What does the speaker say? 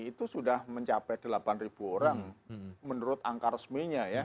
itu sudah mencapai delapan orang menurut angka resminya ya